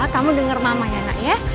kamu denger mama ya nak ya